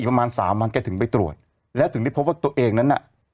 ประมาณสามวันแกถึงไปตรวจแล้วถึงได้พบว่าตัวเองนั้นน่ะ